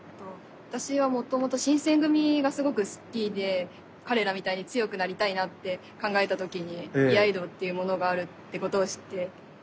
私はもともと新選組がすごく好きで彼らみたいに強くなりたいなって考えた時に居合道っていうものがあるってことを知って。